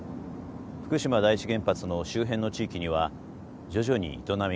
福島第一原発の周辺の地域には徐々に営みが戻り始めています。